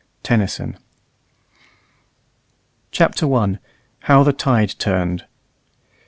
TENNYSON. CHAPTER I HOW THE TIDE TURNED.